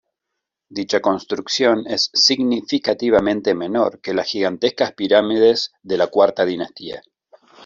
Dicha construcción es significativamente menor que las gigantescas pirámides de la cuarta dinastía.